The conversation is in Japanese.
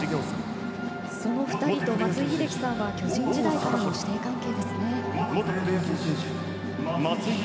その２人と松井秀喜さんは巨人時代からの師弟関係ですね。